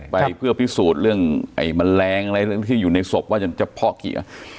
ไปเพื่อพิสูจน์เรื่องไอ้แมลงอะไรเรื่องที่อยู่ในศพว่าจะเพาะเกียร์